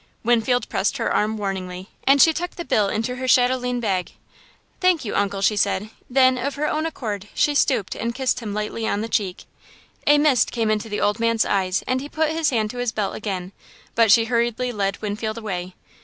Winfield pressed her arm warningly, and she tucked the bill into her chatelaine bag. "Thank you, Uncle!" she said; then, of her own accord, she stooped and kissed him lightly on the cheek. A mist came into the old man's eyes, and he put his hand to his belt again, but she hurriedly led Winfield away.